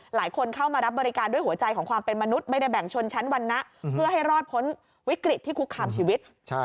หลายคนเข้ามารับบริการด้วยหัวใจของความเป็นมนุษย์ไม่ได้แบ่งชนชั้นวรรณะเพื่อให้รอดพ้นวิกฤตที่คุกคามชีวิต